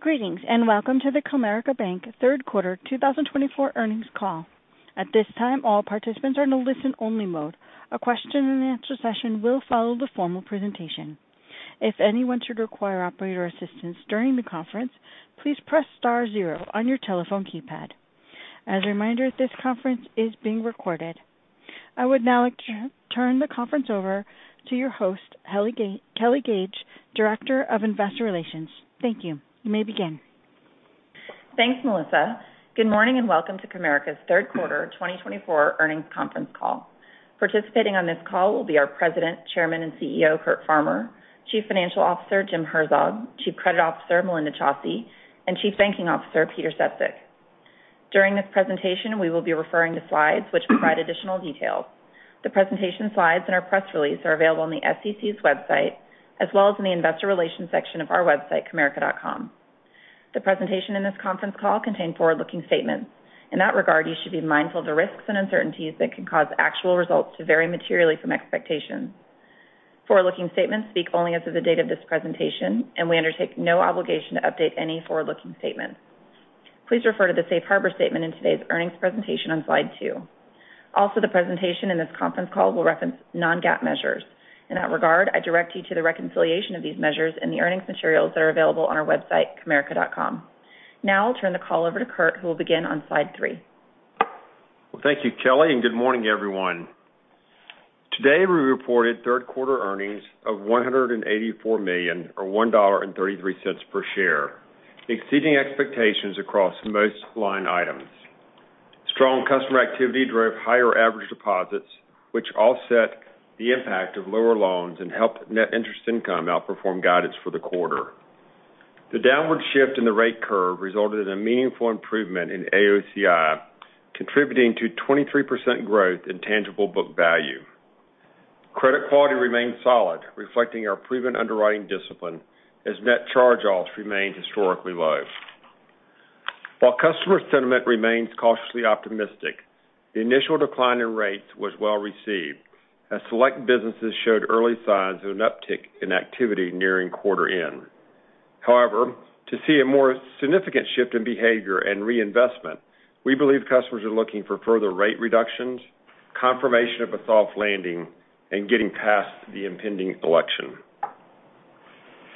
Greetings, and welcome to the Comerica Bank third quarter 2024 earnings call. At this time, all participants are in a listen-only mode. A question-and-answer session will follow the formal presentation. If anyone should require operator assistance during the conference, please press star zero on your telephone keypad. As a reminder, this conference is being recorded. I would now like to turn the conference over to your host, Kelly Gage, Director of Investor Relations. Thank you. You may begin. Thanks, Melissa. Good morning, and welcome to Comerica's third quarter 2024 earnings conference call. Participating on this call will be our President, Chairman, and CEO, Curt Farmer; Chief Financial Officer, Jim Herzog; Chief Credit Officer, Melinda Chausse; and Chief Banking Officer, Peter Sefzik. During this presentation, we will be referring to slides which provide additional details. The presentation slides and our press release are available on the SEC's website, as well as in the investor relations section of our website, comerica.com. The presentation in this conference call contain forward-looking statements. In that regard, you should be mindful of the risks and uncertainties that can cause actual results to vary materially from expectations. Forward-looking statements speak only as of the date of this presentation, and we undertake no obligation to update any forward-looking statements. Please refer to the safe harbor statement in today's earnings presentation on slide two. Also, the presentation in this conference call will reference non-GAAP measures. In that regard, I direct you to the reconciliation of these measures in the earnings materials that are available on our website, comerica.com. Now I'll turn the call over to Curt, who will begin on slide three. Thank you, Kelly, and good morning, everyone. Today, we reported third quarter earnings of $184 million, or $1.33 per share, exceeding expectations across most line items. Strong customer activity drove higher average deposits, which offset the impact of lower loans and helped net interest income outperform guidance for the quarter. The downward shift in the rate curve resulted in a meaningful improvement in AOCI, contributing to 23% growth in tangible book value. Credit quality remained solid, reflecting our proven underwriting discipline, as net charge-offs remained historically low. While customer sentiment remains cautiously optimistic, the initial decline in rates was well received, as select businesses showed early signs of an uptick in activity nearing quarter end. However, to see a more significant shift in behavior and reinvestment, we believe customers are looking for further rate reductions, confirmation of a soft landing, and getting past the impending election.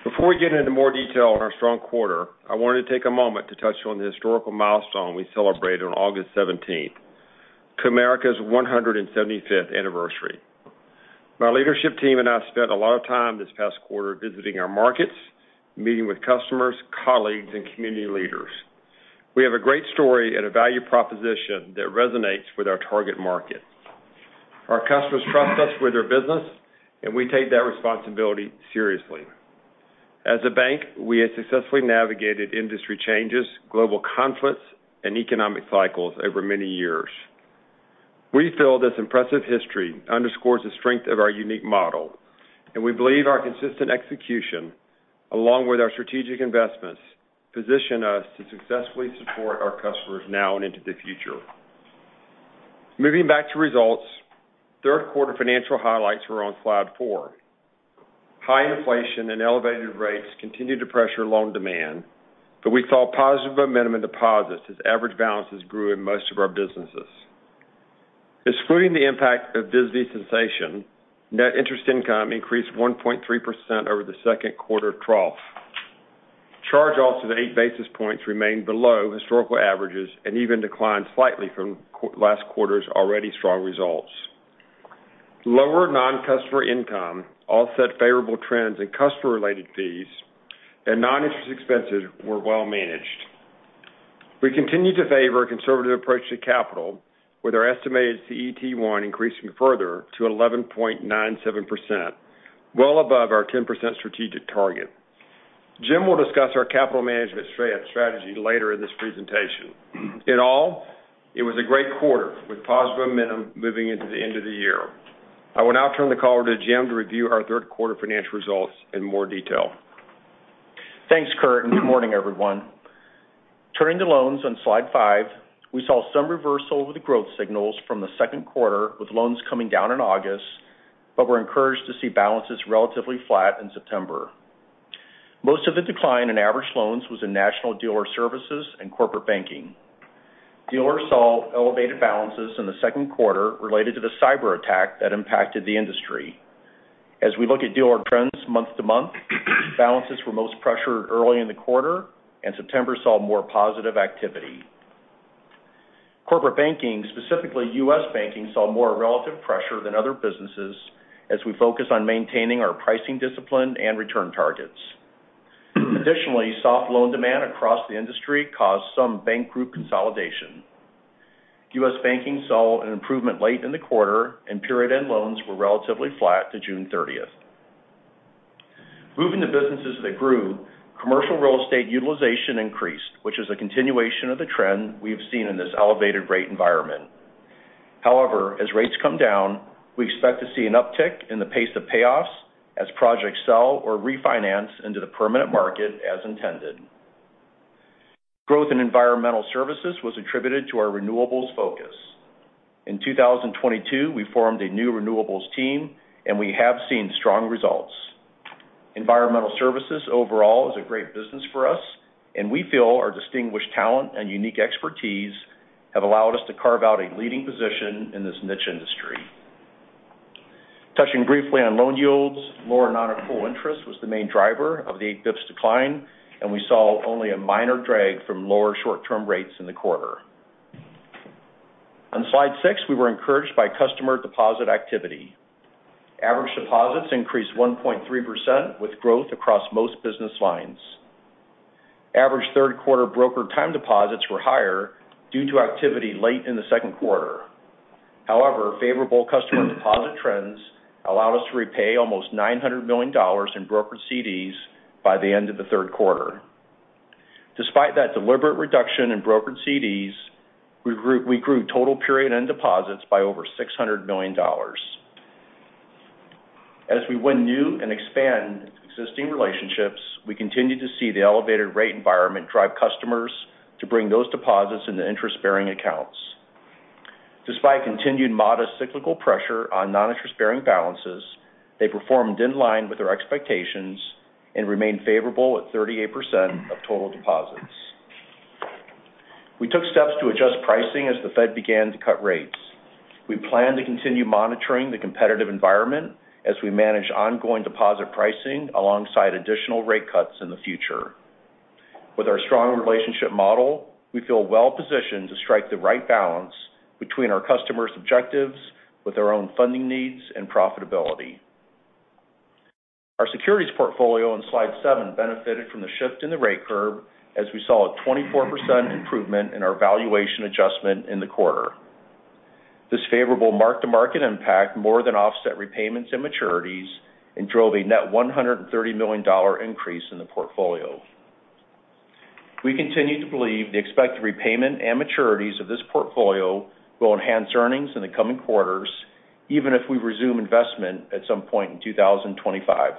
Before we get into more detail on our strong quarter, I wanted to take a moment to touch on the historical milestone we celebrated on August 17th, Comerica's 175th anniversary. My leadership team and I spent a lot of time this past quarter visiting our markets, meeting with customers, colleagues, and community leaders. We have a great story and a value proposition that resonates with our target market. Our customers trust us with their business, and we take that responsibility seriously. As a bank, we have successfully navigated industry changes, global conflicts, and economic cycles over many years. We feel this impressive history underscores the strength of our unique model, and we believe our consistent execution, along with our strategic investments, position us to successfully support our customers now and into the future. Moving back to results, third quarter financial highlights are on slide four. High inflation and elevated rates continued to pressure loan demand, but we saw positive momentum in deposits as average balances grew in most of our businesses. Excluding the impact of BSBY cessation, net interest income increased 1.3% over the second quarter trough. Charge-offs of eight basis points remained below historical averages and even declined slightly from last quarter's already strong results. Lower non-customer income offset favorable trends in customer-related fees, and non-interest expenses were well managed. We continue to favor a conservative approach to capital, with our estimated CET1 increasing further to 11.97%, well above our 10% strategic target. Jim will discuss our capital management strategy later in this presentation. In all, it was a great quarter, with positive momentum moving into the end of the year. I will now turn the call over to Jim to review our third quarter financial results in more detail. Thanks, Curt, and good morning, everyone. Turning to loans on slide five, we saw some reversal of the growth signals from the second quarter, with loans coming down in August, but we're encouraged to see balances relatively flat in September. Most of the decline in average loans was in National Dealer Services and Corporate Banking. Dealers saw elevated balances in the second quarter related to the cyberattack that impacted the industry. As we look at dealer trends month to month, balances were most pressured early in the quarter, and September saw more positive activity. Corporate Banking, specifically US Banking, saw more relative pressure than other businesses as we focus on maintaining our pricing discipline and return targets. Additionally, soft loan demand across the industry caused some bank group consolidation. US Banking saw an improvement late in the quarter, and period-end loans were relatively flat to June 30th. Moving to businesses that grew, commercial real estate utilization increased, which is a continuation of the trend we have seen in this elevated rate environment. However, as rates come down, we expect to see an uptick in the pace of payoffs as projects sell or refinance into the permanent market as intended. Growth in environmental services was attributed to our renewables focus. In 2022, we formed a new renewables team, and we have seen strong results. Environmental services overall is a great business for us, and we feel our distinguished talent and unique expertise have allowed us to carve out a leading position in this niche industry. Touching briefly on loan yields, lower non-accrual interest was the main driver of the eight basis points decline, and we saw only a minor drag from lower short-term rates in the quarter. On slide six, we were encouraged by customer deposit activity. Average deposits increased 1.3%, with growth across most business lines. Average third quarter brokered time deposits were higher due to activity late in the second quarter. However, favorable customer deposit trends allowed us to repay almost $900 million in brokered CDs by the end of the third quarter. Despite that deliberate reduction in brokered CDs, we grew, we grew total period-end deposits by over $600 million. As we win new and expand existing relationships, we continue to see the elevated rate environment drive customers to bring those deposits into interest-bearing accounts. Despite continued modest cyclical pressure on non-interest-bearing balances, they performed in line with our expectations and remained favorable at 38% of total deposits. We took steps to adjust pricing as the Fed began to cut rates. We plan to continue monitoring the competitive environment as we manage ongoing deposit pricing alongside additional rate cuts in the future. With our strong relationship model, we feel well positioned to strike the right balance between our customers' objectives with our own funding needs and profitability. Our securities portfolio on slide seven benefited from the shift in the rate curve, as we saw a 24% improvement in our valuation adjustment in the quarter. This favorable mark-to-market impact more than offset repayments and maturities and drove a net $130 million increase in the portfolio. We continue to believe the expected repayment and maturities of this portfolio will enhance earnings in the coming quarters, even if we resume investment at some point in 2025.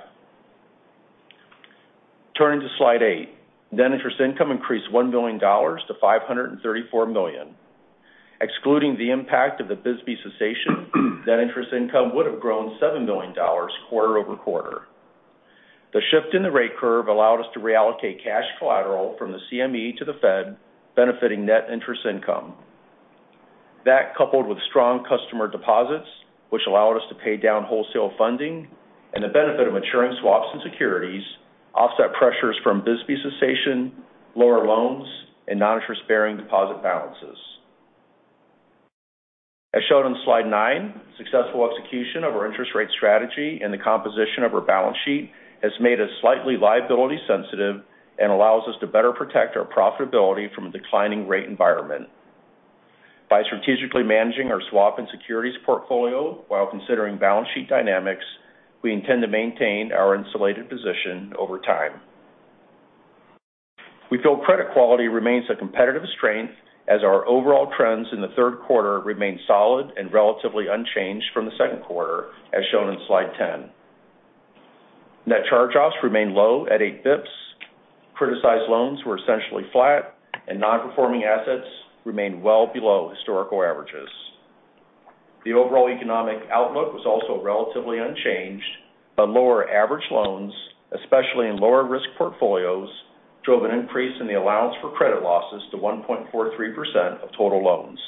Turning to slide eight, net interest income increased $1 million-$534 million. Excluding the impact of the BSBY cessation, net interest income would have grown $7 million quarter-over-quarter. The shift in the rate curve allowed us to reallocate cash collateral from the CME to the Fed, benefiting net interest income. That, coupled with strong customer deposits, which allowed us to pay down wholesale funding and the benefit of maturing swaps and securities, offset pressures from BSBY cessation, lower loans, and non-interest-bearing deposit balances. As shown on slide nine, successful execution of our interest rate strategy and the composition of our balance sheet has made us slightly liability sensitive and allows us to better protect our profitability from a declining rate environment. By strategically managing our swap and securities portfolio while considering balance sheet dynamics, we intend to maintain our insulated position over time. We feel credit quality remains a competitive strength, as our overall trends in the third quarter remain solid and relatively unchanged from the second quarter, as shown in slide 10. Net charge-offs remain low at eight basis points, criticized loans were essentially flat, and non-performing assets remained well below historical averages. The overall economic outlook was also relatively unchanged, but lower average loans, especially in lower-risk portfolios, drove an increase in the allowance for credit losses to 1.43% of total loans.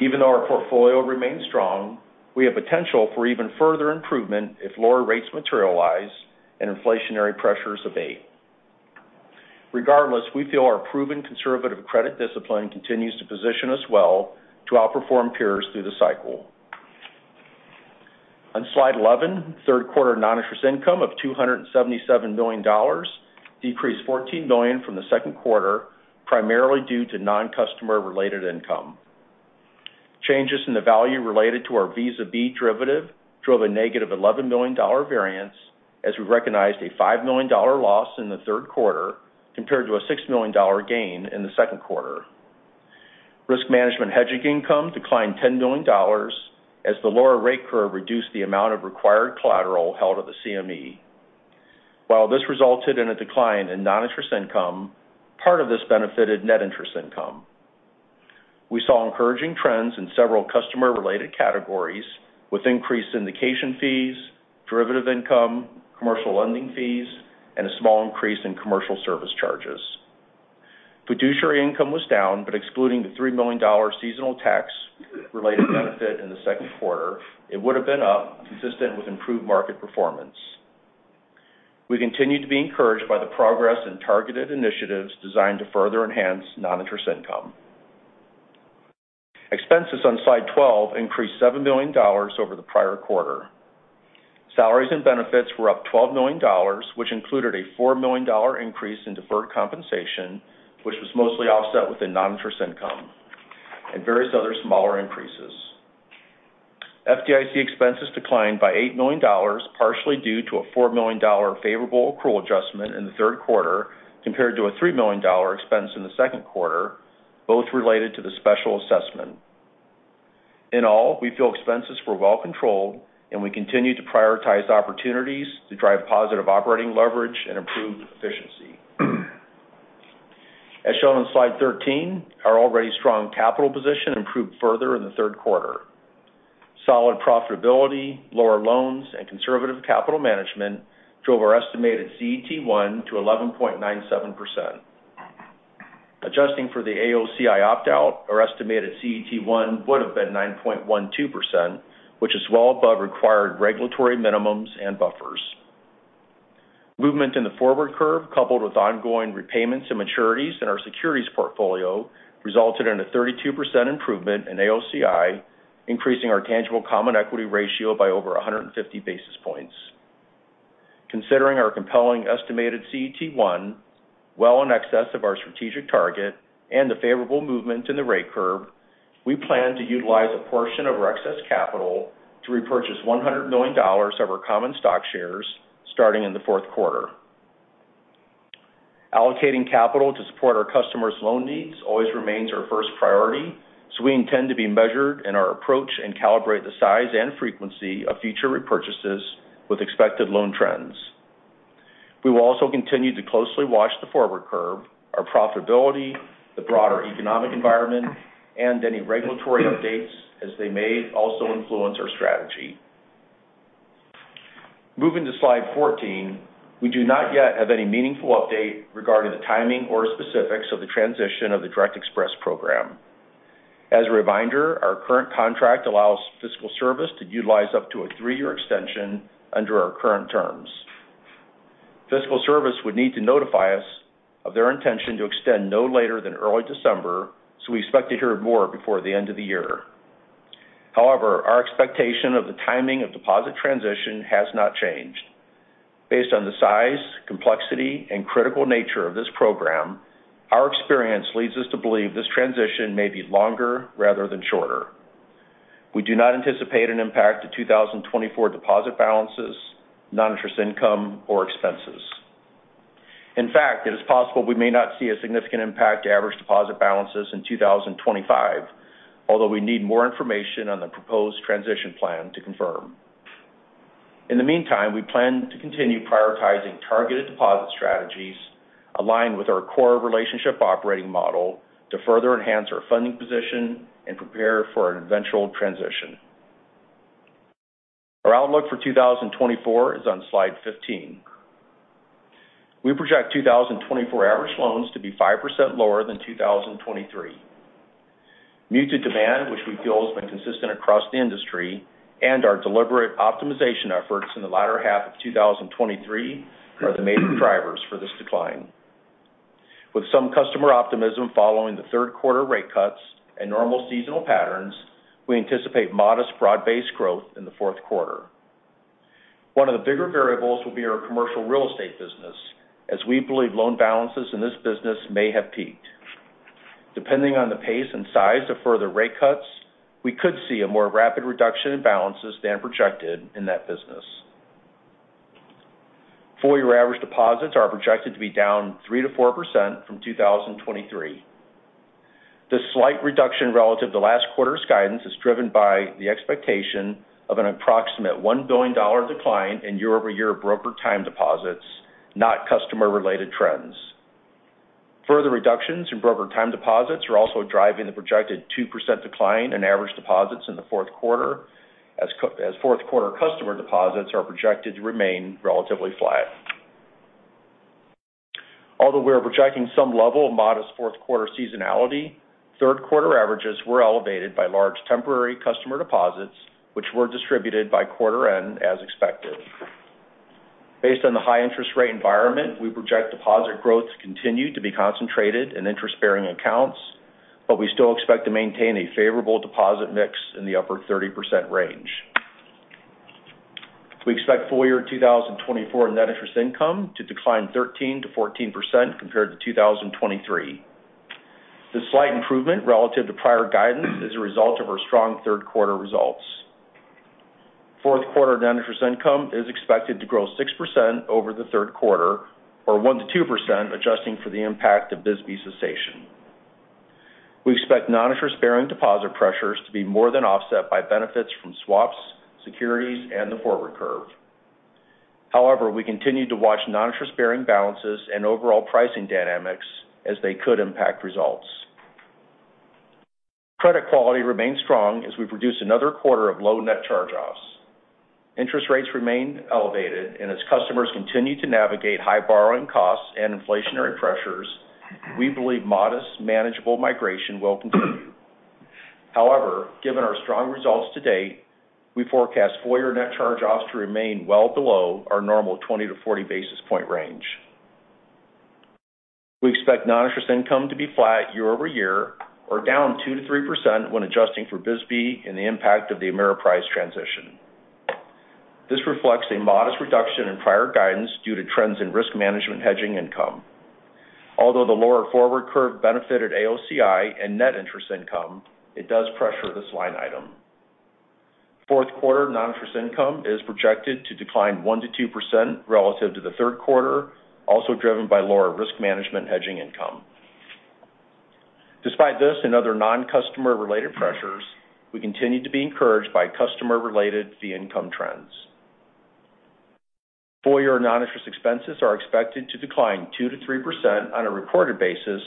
Even though our portfolio remains strong, we have potential for even further improvement if lower rates materialize and inflationary pressures abate. Regardless, we feel our proven conservative credit discipline continues to position us well to outperform peers through the cycle. On slide 11, third quarter non-interest income of $277 million decreased $14 million from the second quarter, primarily due to non-customer-related income. Changes in the value related to our Visa B derivative drove a $-11 million variance, as we recognized a $5 million loss in the third quarter compared to a $6 million gain in the second quarter. Risk management hedging income declined $10 million, as the lower rate curve reduced the amount of required collateral held at the CME. While this resulted in a decline in non-interest income, part of this benefited net interest income. We saw encouraging trends in several customer-related categories, with increased syndication fees, derivative income, commercial lending fees, and a small increase in commercial service charges. Fiduciary income was down, but excluding the $3 million seasonal tax-related benefit in the second quarter, it would have been up, consistent with improved market performance. We continue to be encouraged by the progress in targeted initiatives designed to further enhance non-interest income. Expenses on slide 12 increased $7 million over the prior quarter. Salaries and benefits were up $12 million, which included a $4 million increase in deferred compensation, which was mostly offset within non-interest income and various other smaller increases. FDIC expenses declined by $8 million, partially due to a $4 million favorable accrual adjustment in the third quarter, compared to a $3 million expense in the second quarter, both related to the special assessment. In all, we feel expenses were well controlled, and we continued to prioritize opportunities to drive positive operating leverage and improved efficiency. As shown on slide 13, our already strong capital position improved further in the third quarter. Solid profitability, lower loans, and conservative capital management drove our estimated CET1 to 11.97%. Adjusting for the AOCI opt-out, our estimated CET1 would have been 9.12%, which is well above required regulatory minimums and buffers. Movement in the forward curve, coupled with ongoing repayments and maturities in our securities portfolio, resulted in a 32% improvement in AOCI, increasing our tangible common equity ratio by over 150 basis points. Considering our compelling estimated CET1, well in excess of our strategic target and the favorable movement in the rate curve, we plan to utilize a portion of our excess capital to repurchase $100 million of our common stock shares, starting in the fourth quarter. Allocating capital to support our customers' loan needs always remains our first priority, so we intend to be measured in our approach and calibrate the size and frequency of future repurchases with expected loan trends. We will also continue to closely watch the forward curve, our profitability, the broader economic environment, and any regulatory updates, as they may also influence our strategy. Moving to slide 14, we do not yet have any meaningful update regarding the timing or specifics of the transition of the Direct Express program. As a reminder, our current contract allows Fiscal Service to utilize up to a three-year extension under our current terms. Fiscal Service would need to notify us of their intention to extend no later than early December, so we expect to hear more before the end of the year. However, our expectation of the timing of deposit transition has not changed. Based on the size, complexity, and critical nature of this program, our experience leads us to believe this transition may be longer rather than shorter. We do not anticipate an impact to 2024 deposit balances, non-interest income, or expenses. In fact, it is possible we may not see a significant impact to average deposit balances in 2025, although we need more information on the proposed transition plan to confirm. In the meantime, we plan to continue prioritizing targeted deposit strategies aligned with our core relationship operating model to further enhance our funding position and prepare for an eventual transition. Our outlook for 2024 is on slide 15. We project 2024 average loans to be 5% lower than 2023. Muted demand, which we feel has been consistent across the industry, and our deliberate optimization efforts in the latter half of 2023 are the main drivers for this decline. With some customer optimism following the third quarter rate cuts and normal seasonal patterns, we anticipate modest broad-based growth in the fourth quarter. One of the bigger variables will be our commercial real estate business, as we believe loan balances in this business may have peaked. Depending on the pace and size of further rate cuts, we could see a more rapid reduction in balances than projected in that business. Full-year average deposits are projected to be down 3%-4% from 2023. This slight reduction relative to last quarter's guidance is driven by the expectation of an approximate $1 billion decline in year-over-year brokered time deposits, not customer-related trends. Further reductions in brokered time deposits are also driving the projected 2% decline in average deposits in the fourth quarter, as fourth quarter customer deposits are projected to remain relatively flat. Although we are projecting some level of modest fourth quarter seasonality, third quarter averages were elevated by large temporary customer deposits, which were distributed by quarter end, as expected. Based on the high interest rate environment, we project deposit growth to continue to be concentrated in interest-bearing accounts, but we still expect to maintain a favorable deposit mix in the upper 30% range. We expect full year 2024 net interest income to decline 13%-14% compared to 2023. This slight improvement relative to prior guidance is a result of our strong third quarter results. Fourth quarter net interest income is expected to grow 6% over the third quarter, or 1%-2%, adjusting for the impact of BSBY cessation. We expect non-interest-bearing deposit pressures to be more than offset by benefits from swaps, securities, and the forward curve. However, we continue to watch non-interest-bearing balances and overall pricing dynamics as they could impact results. Credit quality remains strong as we've reduced another quarter of low net charge-offs. Interest rates remain elevated, and as customers continue to navigate high borrowing costs and inflationary pressures, we believe modest, manageable migration will continue. However, given our strong results to date, we forecast full year net charge-offs to remain well below our normal 20 basis point-40 basis point range. We expect non-interest income to be flat year-over-year, or down 2-3% when adjusting for BSBY and the impact of the Ameriprise transition. This reflects a modest reduction in prior guidance due to trends in risk management hedging income. Although the lower forward curve benefited AOCI and net interest income, it does pressure this line item. Fourth quarter non-interest income is projected to decline 1%-2% relative to the third quarter, also driven by lower risk management hedging income. Despite this and other non-customer related pressures, we continue to be encouraged by customer-related fee income trends. Full year non-interest expenses are expected to decline 2%-3% on a recorded basis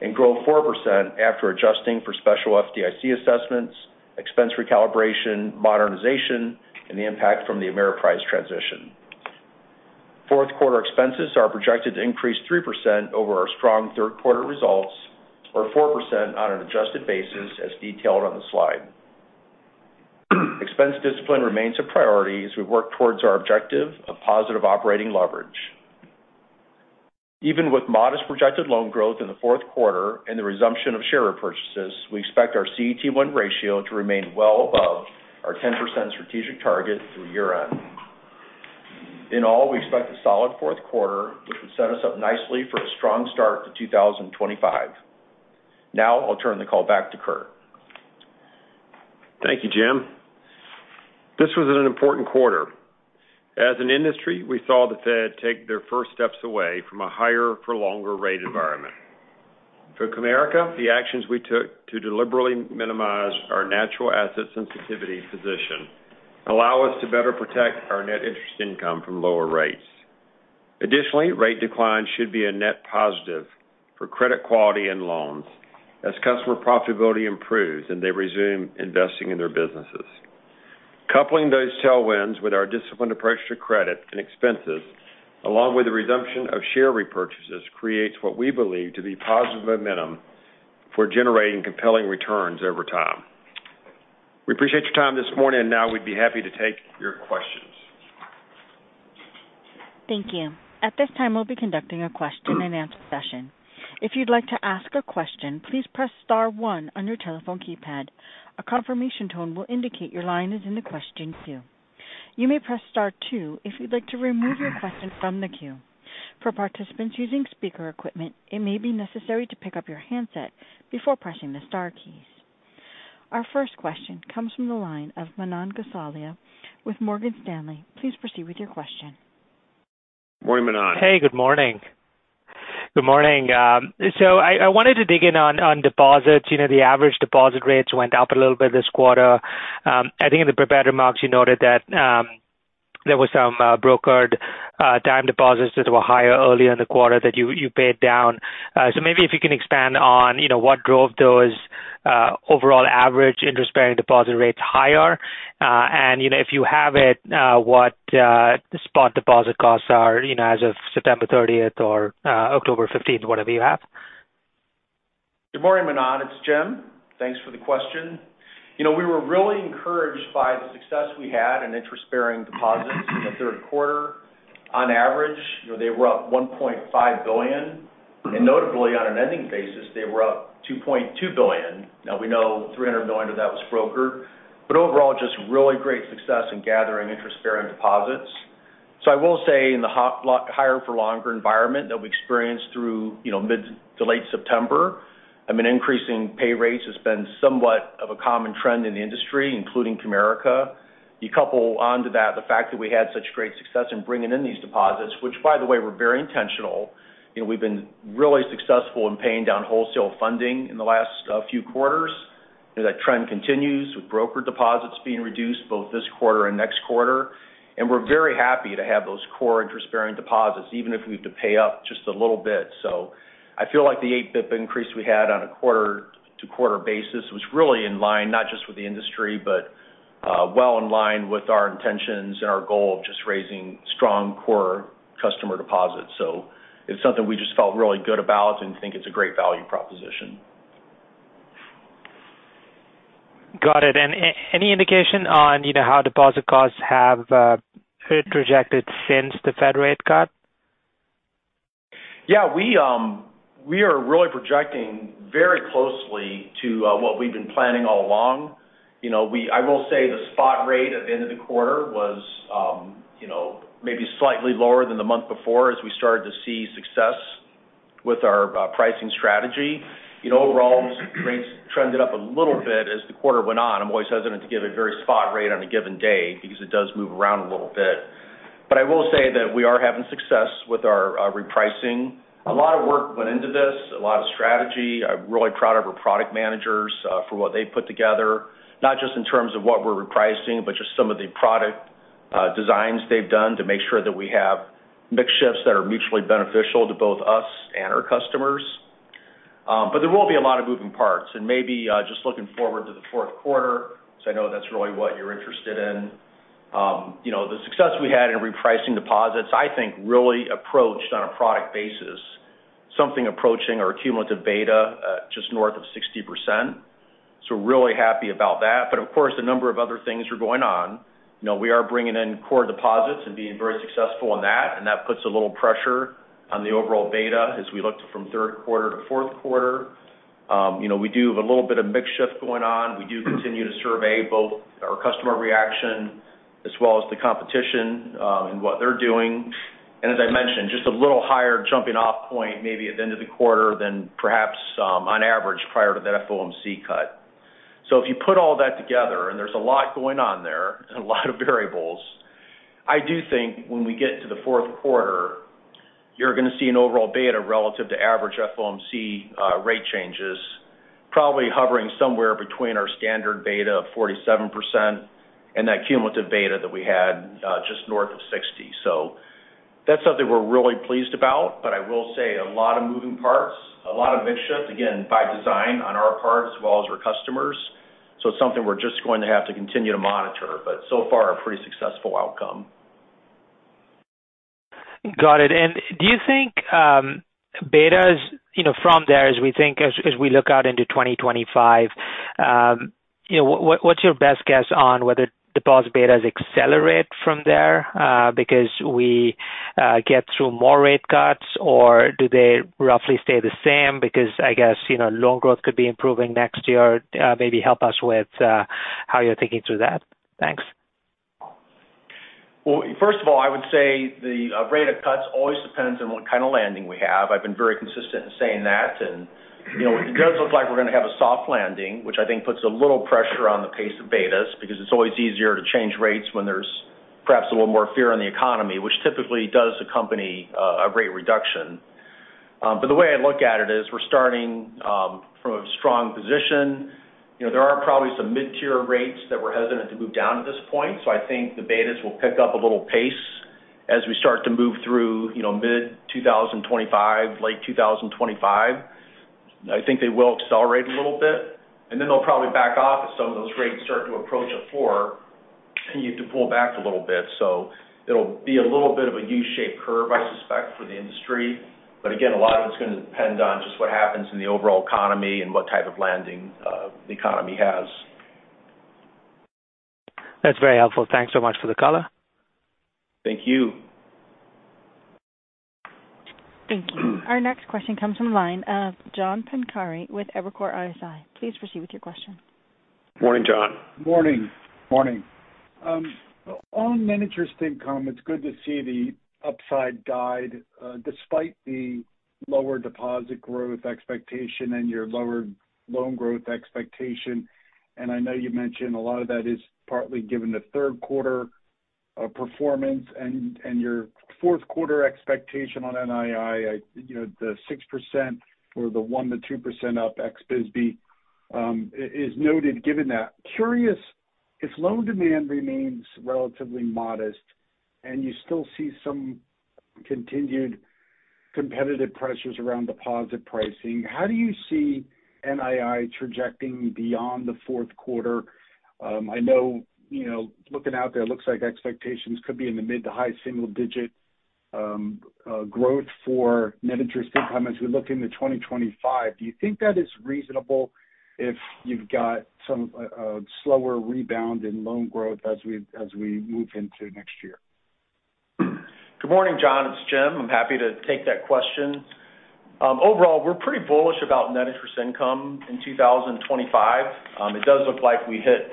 and grow 4% after adjusting for special FDIC assessments, expense recalibration, modernization, and the impact from the Ameriprise transition. Fourth quarter expenses are projected to increase 3% over our strong third quarter results, or 4% on an adjusted basis, as detailed on the slide. Expense discipline remains a priority as we work towards our objective of positive operating leverage. Even with modest projected loan growth in the fourth quarter and the resumption of share repurchases, we expect our CET1 ratio to remain well above our 10% strategic target through year-end. In all, we expect a solid fourth quarter, which will set us up nicely for a strong start to 2025. Now I'll turn the call back to Curt. Thank you, Jim. This was an important quarter. As an industry, we saw the Fed take their first steps away from a higher for longer rate environment. For Comerica, the actions we took to deliberately minimize our natural asset sensitivity position allow us to better protect our net interest income from lower rates. Additionally, rate declines should be a net positive for credit quality and loans as customer profitability improves and they resume investing in their businesses. Coupling those tailwinds with our disciplined approach to credit and expenses, along with the resumption of share repurchases, creates what we believe to be positive momentum for generating compelling returns over time. We appreciate your time this morning, and now we'd be happy to take your questions. Thank you. At this time, we'll be conducting a question and answer session. If you'd like to ask a question, please press star one on your telephone keypad. A confirmation tone will indicate your line is in the question queue. You may press star two if you'd like to remove your question from the queue. For participants using speaker equipment, it may be necessary to pick up your handset before pressing the star keys. Our first question comes from the line of Manan Gosalia with Morgan Stanley. Please proceed with your question. Morning, Manan. Hey, good morning. Good morning. So I wanted to dig in on deposits. You know, the average deposit rates went up a little bit this quarter. I think in the prepared remarks, you noted that there was some brokered time deposits that were higher earlier in the quarter that you paid down. So maybe if you can expand on, you know, what drove those overall average interest-bearing deposit rates higher? And, you know, if you have it, what spot deposit costs are, you know, as of September 30th or October 15th, whatever you have. Good morning, Manan, it's Jim. Thanks for the question. You know, we were really encouraged by the success we had in interest-bearing deposits in the third quarter. On average, you know, they were up $1.5 billion, and notably, on an ending basis, they were up $2.2 billion. Now, we know $300 million of that was brokered, but overall, just really great success in gathering interest-bearing deposits. So I will say in the higher for longer environment that we experienced through, you know, mid to late September, I mean, increasing pay rates has been somewhat of a common trend in the industry, including Comerica. You couple onto that the fact that we had such great success in bringing in these deposits, which, by the way, were very intentional. You know, we've been really successful in paying down wholesale funding in the last few quarters. That trend continues with brokered deposits being reduced both this quarter and next quarter. We're very happy to have those core interest-bearing deposits, even if we have to pay up just a little bit. I feel like the eight basis points increase we had on a quarter-to-quarter basis was really in line, not just with the industry, but well in line with our intentions and our goal of just raising strong core customer deposits. It's something we just felt really good about and think it's a great value proposition. Got it. And any indication on, you know, how deposit costs have been projected since the Fed rate cut? Yeah, we are really projecting very closely to what we've been planning all along. You know, I will say the spot rate at the end of the quarter was, you know, maybe slightly lower than the month before as we started to see success with our pricing strategy. You know, overall, rates trended up a little bit as the quarter went on. I'm always hesitant to give a very spot rate on a given day because it does move around a little bit. I will say that we are having success with our repricing. A lot of work went into this, a lot of strategy. I'm really proud of our product managers, for what they put together, not just in terms of what we're repricing, but just some of the product, designs they've done to make sure that we have mix shifts that are mutually beneficial to both us and our customers. But there will be a lot of moving parts and maybe, just looking forward to the fourth quarter, so I know that's really what you're interested in. You know, the success we had in repricing deposits, I think, really approached on a product basis, something approaching our cumulative beta, just north of 60%. So we're really happy about that. But of course, a number of other things are going on. You know, we are bringing in core deposits and being very successful in that, and that puts a little pressure on the overall beta as we look from third quarter to fourth quarter. You know, we do have a little bit of mix shift going on. We do continue to survey both our customer reaction as well as the competition, and what they're doing. And as I mentioned, just a little higher jumping off point, maybe at the end of the quarter than perhaps, on average, prior to that FOMC cut. So if you put all that together, and there's a lot going on there and a lot of variables, I do think when we get to the fourth quarter, you're going to see an overall beta relative to average FOMC rate changes, probably hovering somewhere between our standard beta of 47% and that cumulative beta that we had just north of 60%. So that's something we're really pleased about, but I will say a lot of moving parts, a lot of mix shifts, again, by design on our part as well as our customers. So it's something we're just going to have to continue to monitor, but so far, a pretty successful outcome. Got it. And do you think, betas, you know, from there, as we look out into 2025, you know, what, what's your best guess on whether deposit betas accelerate from there, because we get through more rate cuts? Or do they roughly stay the same because I guess, you know, loan growth could be improving next year? Maybe help us with how you're thinking through that. Thanks. First of all, I would say the rate of cuts always depends on what kind of landing we have. I've been very consistent in saying that. You know, it does look like we're going to have a soft landing, which I think puts a little pressure on the pace of betas, because it's always easier to change rates when there's perhaps a little more fear in the economy, which typically does accompany a rate reduction. But the way I look at it is we're starting from a strong position. You know, there are probably some mid-tier rates that we're hesitant to move down at this point, so I think the betas will pick up a little pace as we start to move through, you know, mid-2025, late 2025. I think they will accelerate a little bit, and then they'll probably back off as some of those rates start to approach a floor, and you have to pull back a little bit. So it'll be a little bit of a U-shaped curve, I suspect, for the industry. But again, a lot of it's going to depend on just what happens in the overall economy and what type of landing, the economy has. That's very helpful. Thanks so much for the color. Thank you. Thank you. Our next question comes from the line of John Pancari with Evercore ISI. Please proceed with your question. Morning, John. Morning. Morning. On net interest income, it's good to see the upside guide, despite the lower deposit growth expectation and your lower loan growth expectation. And I know you mentioned a lot of that is partly given the third quarter performance and your fourth quarter expectation on NII. You know, the 6% or the 1%-2% up ex-BSBY is noted given that. Curious, if loan demand remains relatively modest and you still see some continued competitive pressures around deposit pricing, how do you see NII trajecting beyond the fourth quarter? I know, you know, looking out there, it looks like expectations could be in the mid- to high-single-digit growth for net interest income as we look into 2025. Do you think that is reasonable if you've got some a slower rebound in loan growth as we move into next year? Good morning, John, it's Jim. I'm happy to take that question. Overall, we're pretty bullish about net interest income in 2025. It does look like we hit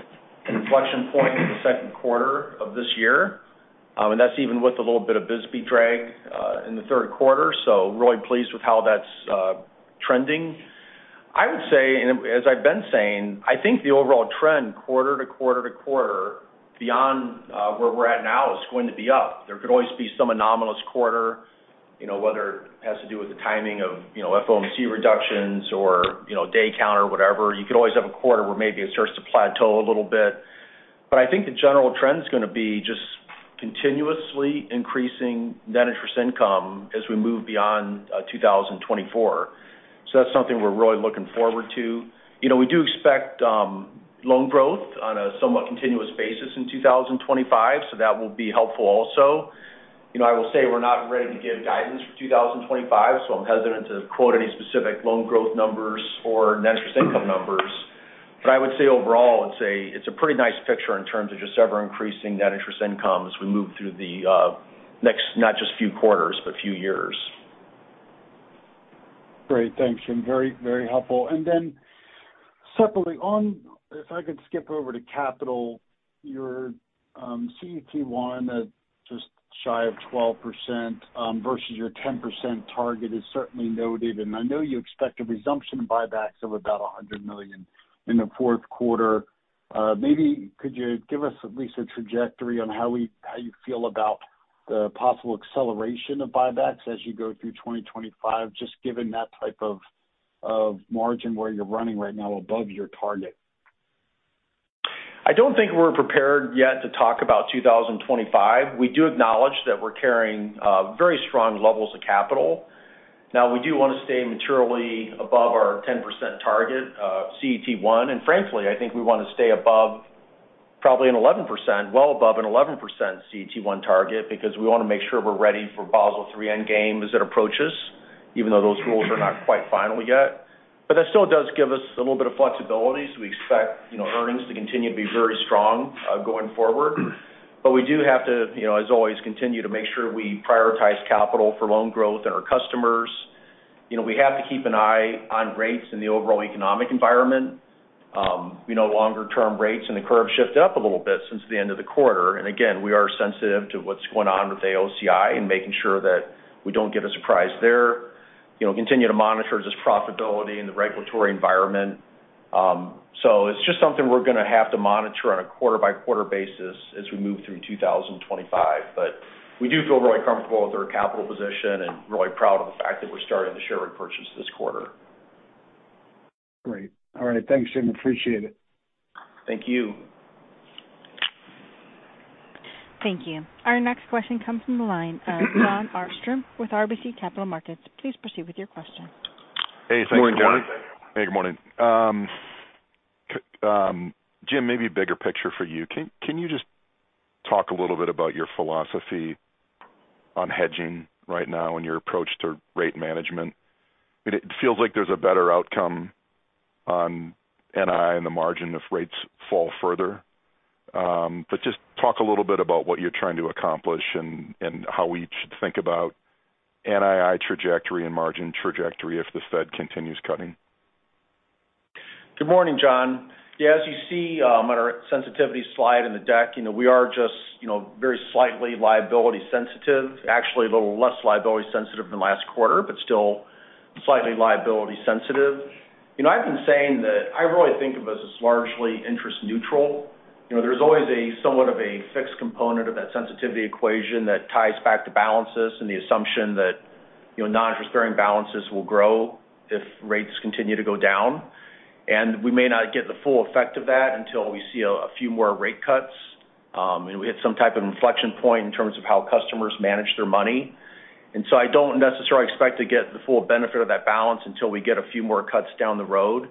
an inflection point in the second quarter of this year, and that's even with a little bit of BSBY drag in the third quarter. So really pleased with how that's trending. I would say, and as I've been saying, I think the overall trend, quarter to quarter to quarter, beyond where we're at now, is going to be up. There could always be some anomalous quarter, you know, whether it has to do with the timing of, you know, FOMC reductions or, you know, day count or whatever. You could always have a quarter where maybe it starts to plateau a little bit. But I think the general trend is going to be just continuously increasing net interest income as we move beyond 2024. So that's something we're really looking forward to. You know, we do expect loan growth on a somewhat continuous basis in 2025, so that will be helpful also. You know, I will say we're not ready to give guidance for 2025, so I'm hesitant to quote any specific loan growth numbers or net interest income numbers. But I would say overall, it's a pretty nice picture in terms of just ever-increasing net interest income as we move through the next, not just few quarters, but few years. Great. Thanks, Jim. Very, very helpful. And then separately, on if I could skip over to capital, your CET1 at just shy of 12% versus your 10% target is certainly noted. And I know you expect a resumption of buybacks of about $100 million in the fourth quarter. Maybe could you give us at least a trajectory on how you feel about the possible acceleration of buybacks as you go through 2025, just given that type of margin where you're running right now above your target? I don't think we're prepared yet to talk about 2025. We do acknowledge that we're carrying very strong levels of capital. Now, we do want to stay materially above our 10% target CET1, and frankly, I think we want to stay above probably an 11%, well above an 11% CET1 target, because we want to make sure we're ready for Basel III Endgame as it approaches, even though those rules are not quite final yet. But that still does give us a little bit of flexibility. So we expect, you know, earnings to continue to be very strong going forward. But we do have to, you know, as always, continue to make sure we prioritize capital for loan growth and our customers. You know, we have to keep an eye on rates in the overall economic environment. We know longer-term rates and the curve shift up a little bit since the end of the quarter, and again, we are sensitive to what's going on with AOCI and making sure that we don't get a surprise there. You know, continue to monitor this profitability and the regulatory environment, so it's just something we're going to have to monitor on a quarter-by-quarter basis as we move through 2025, but we do feel really comfortable with our capital position and really proud of the fact that we're starting the share repurchase this quarter. Great. All right, thanks, Jim. Appreciate it. Thank you. Thank you. Our next question comes from the line of Jon Arfstrom with RBC Capital Markets. Please proceed with your question. Morning, Jon. Hey, good morning. Jim, maybe a bigger picture for you. Can you just talk a little bit about your philosophy on hedging right now and your approach to rate management? It feels like there's a better outcome on NI and the margin if rates fall further. But just talk a little bit about what you're trying to accomplish and how we should think about NII trajectory and margin trajectory if the Fed continues cutting. Good morning, Jon. Yeah, as you see, on our sensitivity slide in the deck, you know, we are just, you know, very slightly liability sensitive, actually a little less liability sensitive than last quarter, but still slightly liability sensitive. You know, I've been saying that I really think of us as largely interest neutral. You know, there's always a somewhat of a fixed component of that sensitivity equation that ties back to balances and the assumption that, you know, non-interest bearing balances will grow if rates continue to go down. And we may not get the full effect of that until we see a few more rate cuts, and we hit some type of inflection point in terms of how customers manage their money. And so I don't necessarily expect to get the full benefit of that balance until we get a few more cuts down the road.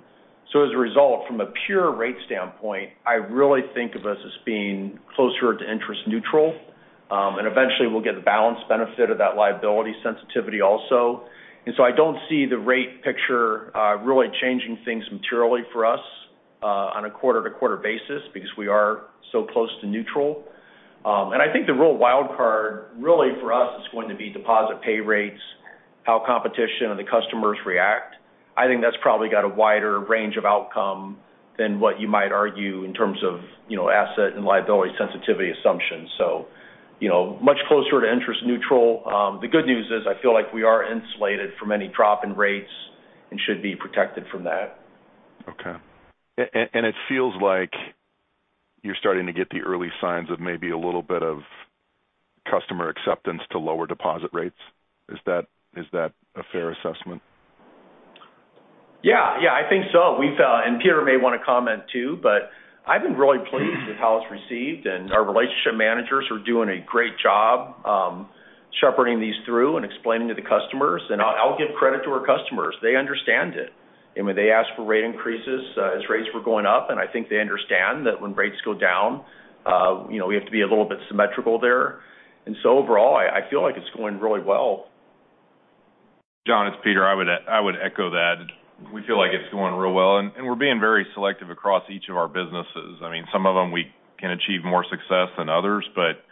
So as a result, from a pure rate standpoint, I really think of us as being closer to interest neutral, and eventually we'll get the balance benefit of that liability sensitivity also. And so I don't see the rate picture really changing things materially for us on a quarter-to-quarter basis because we are so close to neutral. And I think the real wild card, really, for us, is going to be deposit pay rates, how competition and the customers react. I think that's probably got a wider range of outcome than what you might argue in terms of, you know, asset and liability sensitivity assumptions. So, you know, much closer to interest neutral. The good news is I feel like we are insulated from any drop in rates and should be protected from that. Okay, and it feels like you're starting to get the early signs of maybe a little bit of customer acceptance to lower deposit rates. Is that a fair assessment? Yeah. Yeah, I think so. We felt, and Peter may want to comment, too, but I've been really pleased with how it's received, and our relationship managers are doing a great job, shepherding these through and explaining to the customers, and I'll give credit to our customers. They understand it, and when they ask for rate increases, as rates were going up, and I think they understand that when rates go down, you know, we have to be a little bit symmetrical there, and so overall, I feel like it's going really well. Jon, it's Peter. I would echo that. We feel like it's going real well, and we're being very selective across each of our businesses. I mean, some of them, we can achieve more success than others, but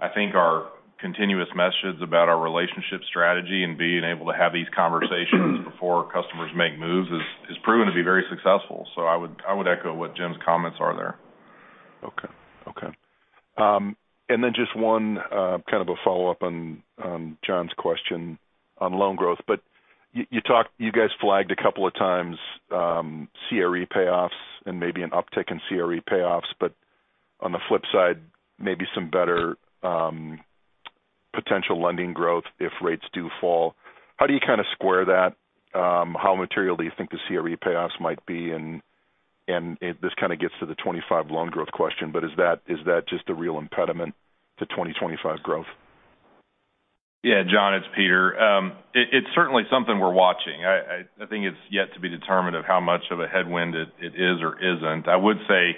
I think our continuous messages about our relationship strategy and being able to have these conversations before customers make moves is proven to be very successful. So I would echo what Jim's comments are there. Okay. And then just one kind of a follow-up on John's question on loan growth. But you talked you guys flagged a couple of times CRE payoffs and maybe an uptick in CRE payoffs, but on the flip side, maybe some better potential lending growth if rates do fall. How do you kind of square that? How material do you think the CRE payoffs might be? And this kind of gets to the 2025 loan growth question, but is that just a real impediment to 2025 growth? Yeah, Jon, it's Peter. It is certainly something we're watching. I think it's yet to be determined of how much of a headwind it is or isn't. I would say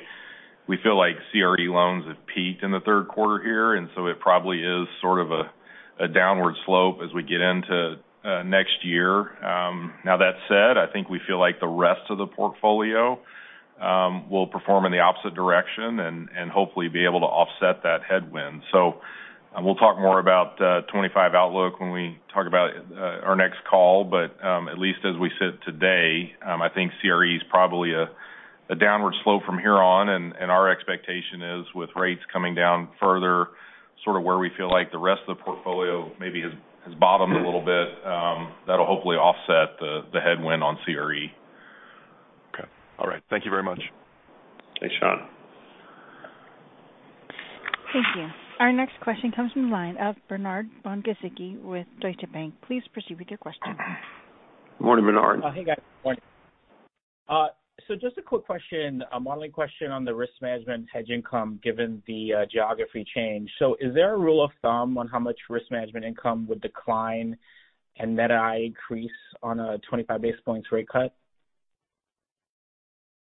we feel like CRE loans have peaked in the third quarter here, and so it probably is sort of a downward slope as we get into next year. Now, that said, I think we feel like the rest of the portfolio will perform in the opposite direction and hopefully be able to offset that headwind, and we'll talk more about 2025 outlook when we talk about our next call. But, at least as we sit today, I think CRE is probably a downward slope from here on, and our expectation is with rates coming down further, sort of where we feel like the rest of the portfolio maybe has bottomed a little bit, that'll hopefully offset the headwind on CRE. Okay. All right. Thank you very much. Thanks, Jon. Thank you. Our next question comes from the line of Bernard Von Gizycki with Deutsche Bank. Please proceed with your question. Good morning, Bernard. Hey, guys. Good morning. So just a quick question, a modeling question on the risk management hedge income, given the geography change. So is there a rule of thumb on how much risk management income would decline and NII increase on a 25 basis points rate cut?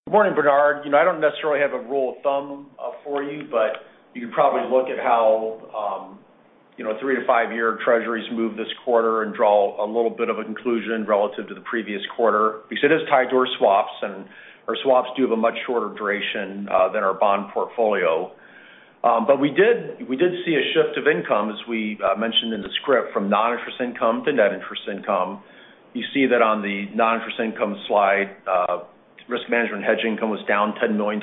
Good morning, Bernard. You know, I don't necessarily have a rule of thumb for you, but you can probably look at how you know, 3 year-5 year treasuries move this quarter and draw a little bit of a conclusion relative to the previous quarter. We said it's tied to our swaps, and our swaps do have a much shorter duration than our bond portfolio. But we did see a shift of income, as we mentioned in the script, from non-interest income to net interest income. You see that on the non-interest income slide. Risk management and hedging income was down $10 million.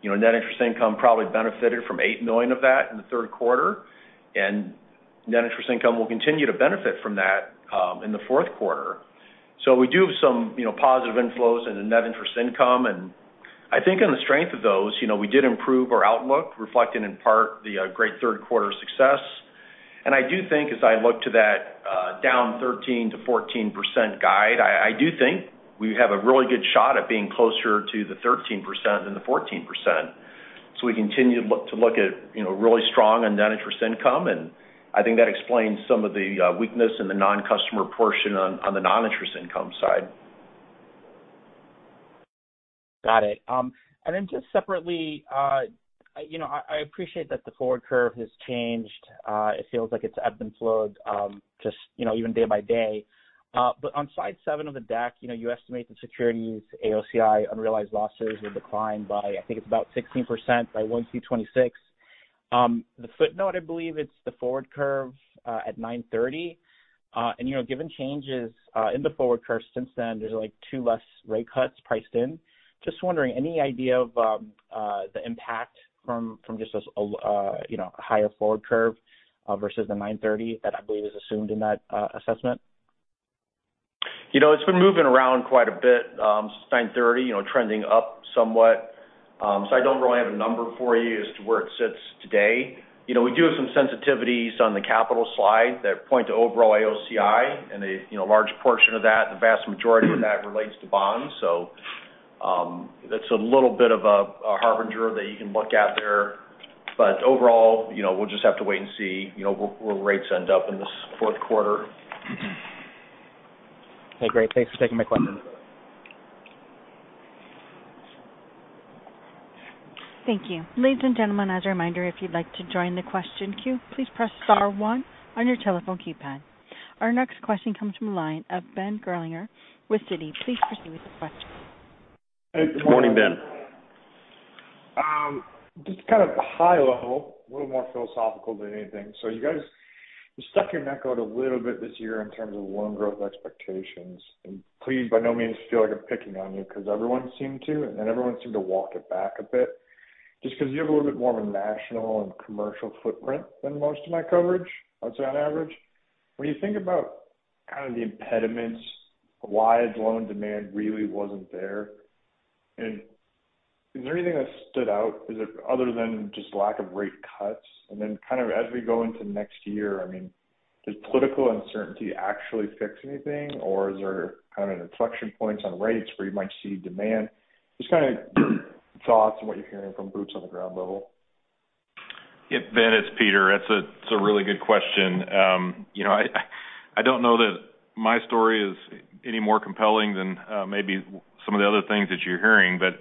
You know, net interest income probably benefited from $8 million of that in the third quarter, and net interest income will continue to benefit from that in the fourth quarter. We do have some, you know, positive inflows in the net interest income, and I think on the strength of those, you know, we did improve our outlook, reflected in part the great third quarter success. I do think as I look to that down 13%-14% guide, I do think we have a really good shot at being closer to the 13% than the 14%. We continue to look at, you know, really strong net interest income, and I think that explains some of the weakness in the non-customer portion on the non-interest income side. Got it, and then just separately, you know, I appreciate that the forward curve has changed. It feels like it's ebbed and flowed, just, you know, even day by day, but on slide seven of the deck, you know, you estimate the securities AOCI unrealized losses will decline by, I think it's about 16% by 1Q 2026. The footnote, I believe, it's the forward curve at 9/30, and, you know, given changes in the forward curve since then, there's, like, two less rate cuts priced in. Just wondering, any idea of the impact from just this, you know, higher forward curve versus the 9/30. that I believe is assumed in that assessment? You know, it's been moving around quite a bit since 9/30, you know, trending up somewhat. So I don't really have a number for you as to where it sits today. You know, we do have some sensitivities on the capital slide that point to overall AOCI and a, you know, large portion of that, the vast majority of that relates to bonds. So that's a little bit of a harbinger that you can look at there. But overall, you know, we'll just have to wait and see, you know, where rates end up in this fourth quarter. Okay, great. Thanks for taking my question. Thank you. Ladies and gentlemen, as a reminder, if you'd like to join the question queue, please press star one on your telephone keypad. Our next question comes from the line of Ben Gerlinger with Citi. Please proceed with your question. Good morning, Ben. Just kind of high level, a little more philosophical than anything. So you guys stuck your neck out a little bit this year in terms of loan growth expectations. And please, by no means feel like I'm picking on you because everyone seemed to, and then everyone seemed to walk it back a bit. Just because you have a little bit more of a national and commercial footprint than most of my coverage, I'd say on average. When you think about kind of the impediments, why loan demand really wasn't there, and is there anything that stood out? Is it other than just lack of rate cuts? And then kind of as we go into next year, I mean, does political uncertainty actually fix anything, or is there kind of an inflection point on rates where you might see demand? Just kind of thoughts on what you're hearing from boots on the ground level. Yeah, Ben, it's Peter. It's a, it's a really good question. You know, I, I don't know that my story is any more compelling than maybe some of the other things that you're hearing. But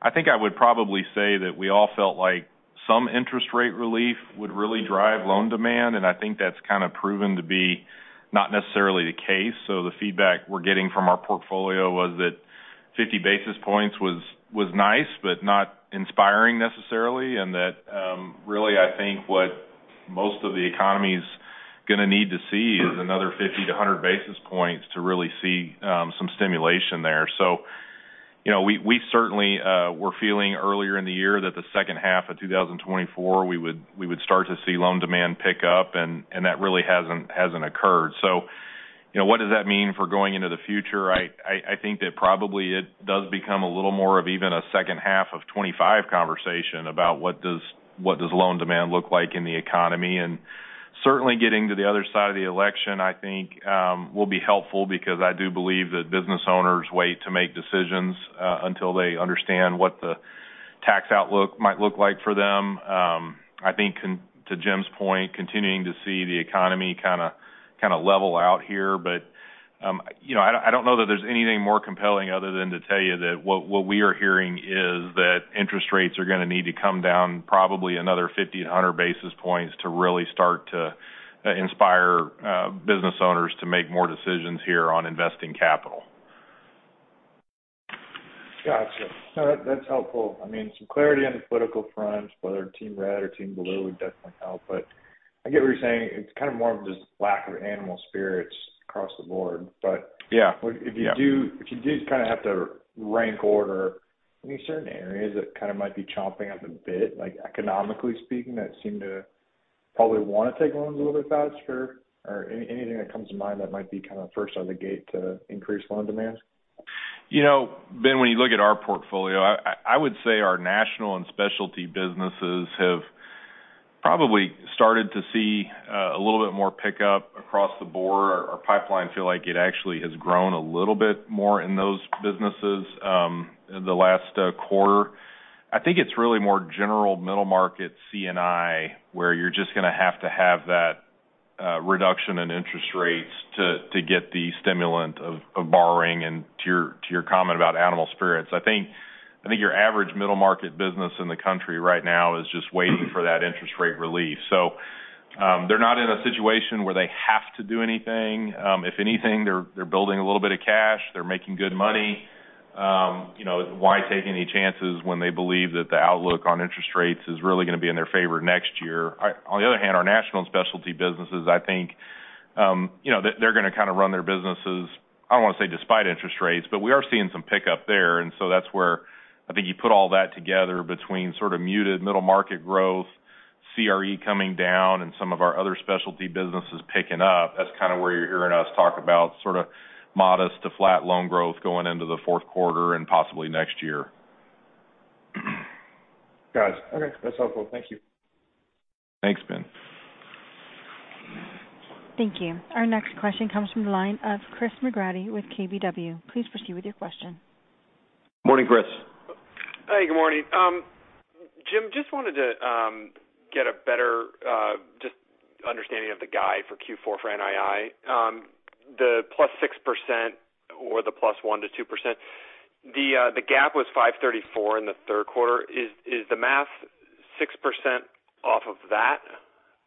I think I would probably say that we all felt like some interest rate relief would really drive loan demand, and I think that's kind of proven to be not necessarily the case. So the feedback we're getting from our portfolio was that 50 basis points was nice, but not inspiring necessarily, and that really, I think what most of the economy's gonna need to see is another 50 basis points-100 basis points to really see some stimulation there. So, you know, we certainly were feeling earlier in the year that the second half of 2024, we would start to see loan demand pick up, and that really hasn't occurred. So, you know, what does that mean for going into the future? I think that probably it does become a little more of even a second half of 2025 conversation about what does loan demand look like in the economy. And certainly getting to the other side of the election, I think will be helpful because I do believe that business owners wait to make decisions until they understand what the tax outlook might look like for them. I think to Jim's point, continuing to see the economy kinda level out here. But you know, I don't know that there's anything more compelling other than to tell you that what we are hearing is that interest rates are gonna need to come down probably another 50 basi points-100 basis points to really start to inspire business owners to make more decisions here on investing capital. Gotcha. No, that's helpful. I mean, some clarity on the political front, whether team red or team blue, would definitely help, but I get what you're saying. It's kind of more of just lack of animal spirits across the board, but- Yeah. If you do, if you did kind of have to rank order any certain areas that kind of might be chomping at the bit, like economically speaking, that seem to probably want to take loans a little bit faster, or anything that comes to mind that might be kind of first out of the gate to increase loan demand? You know, Ben, when you look at our portfolio, I would say our national and specialty businesses have probably started to see a little bit more pickup across the board. Our pipeline feel like it actually has grown a little bit more in those businesses in the last quarter. I think it's really more general Middle Market C&I, where you're just gonna have to have that reduction in interest rates to get the stimulant of borrowing. And to your comment about animal spirits, I think your average Middle Market business in the country right now is just waiting for that interest rate relief. They're not in a situation where they have to do anything. If anything, they're building a little bit of cash, they're making good money. You know, why take any chances when they believe that the outlook on interest rates is really gonna be in their favor next year? On the other hand, our national specialty businesses, I think, you know, they're gonna kind of run their businesses. I don't wanna say despite interest rates, but we are seeing some pickup there. That's where I think you put all that together between sort of muted Middle Market growth, CRE coming down and some of our other specialty businesses picking up. That's kind of where you're hearing us talk about sort of modest to flat loan growth going into the fourth quarter and possibly next year. Got it. Okay, that's helpful. Thank you. Thanks, Ben. Thank you. Our next question comes from the line of Chris McGratty with KBW. Please proceed with your question. Morning, Chris. Hi, good morning. Jim, just wanted to get a better just understanding of the guide for Q4 for NII. The +6% or the +1%-2%, the gap was $534 in the third quarter. Is the math 6% off of that?